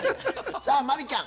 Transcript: さあ真理ちゃん